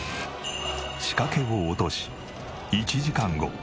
仕掛けを落とし１時間後。